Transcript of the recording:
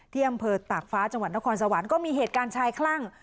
ที่อำเภอตากฟ้าจังหวัดนครสวรรค์ก็มีเหตุการณ์ชายคลั่ง